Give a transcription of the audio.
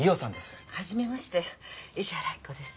初めまして石原明子です。